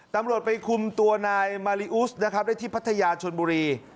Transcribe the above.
ตำรวจไปคุมตัวนายมาริอุสนะครับได้ที่พัทยาชนบุรี